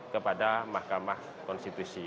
kepada mahkamah konstitusi